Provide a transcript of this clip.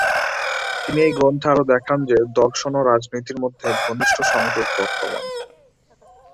তিনি এই গ্রন্থে আরো দেখান যে দর্শন ও রাজনীতির মধ্যে ঘনিষ্ঠ সংযোগ বর্তমান।